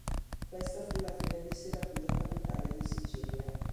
Questa fu la fine di "Siracusa capitale di Sicilia".